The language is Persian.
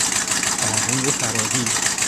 فرهنگ فراگیر